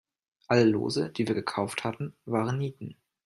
Alle Lose, die wir gekauft hatten, waren Nieten.